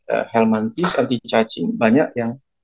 anti helmanthi anti cacing banyak yang